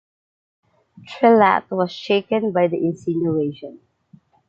Trélat was shaken by the insinuation.